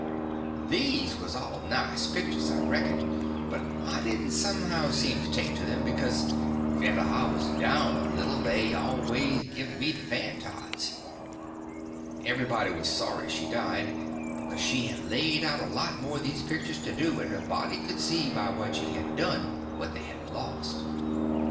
These was all nice pictures, I reckon, but I didn't somehow seem to take to them, because if ever I was down a little they always give me the fan tods. Everybody was sorry she died, because she had laid out a lot more of these pictures to do, and a body could see by what she had done what they had lost.